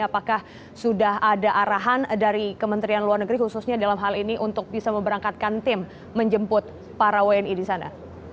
apakah sudah ada arahan dari kementerian luar negeri khususnya dalam hal ini untuk bisa memberangkatkan tim menjemput para wni di sana